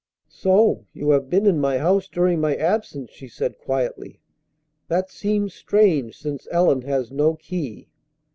"So you have been in my house during my absence!" she said quietly. "That seems strange since Ellen has no key!"